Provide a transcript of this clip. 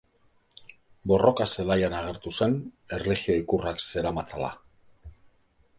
Borroka zelaian agertu zen, erlijio ikurrak zeramatzala.